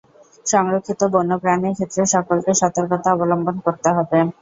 সংরক্ষিত বন্যপ্রাণীর ক্ষেত্রে সকলকে সতর্কতা অবলম্বন করতে হবে।